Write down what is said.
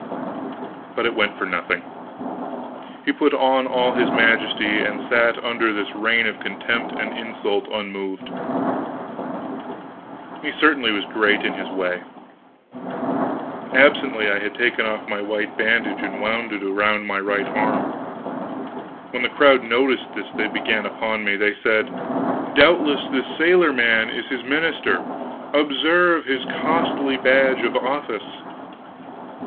But it went for nothing. He put on all his majesty and sat under this rain of contempt and insult unmoved. He certainly was great in his way. Absently, I had taken off my white bandage and wound it about my right arm. When the crowd noticed this, they began upon me. They said: "Doubtless this sailor man is his minister observe his costly badge of office!"